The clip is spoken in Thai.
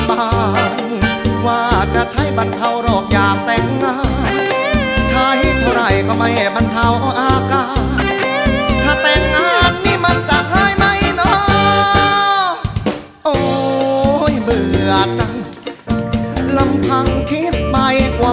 เพลงที่๔ของเขาดูสิว่าเขาจะทำสำเร็จหรือว่าร้องผิดครับ